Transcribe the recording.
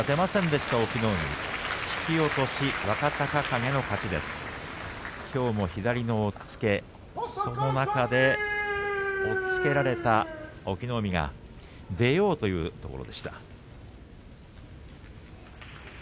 きょうも左の押っつけ、その中で押っつけられた隠岐の海が出ようというところでした。